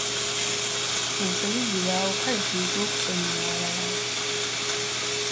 Ensobi zibaawo kale tuyige okusonyiwa abalala.